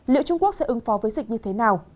liệu trung quốc sẽ ứng phó với dịch như thế nào